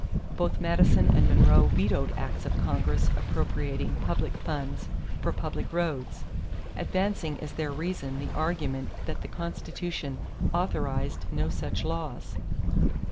Both Madison and Monroe vetoed acts of Congress appropriating public funds for public roads, advancing as their reason the argument that the Constitution authorized no such laws.